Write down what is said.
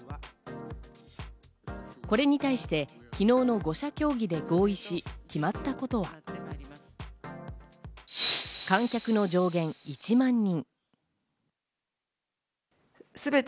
これに対して昨日の５者協議で合意し、決まったことは観客の上限１万人。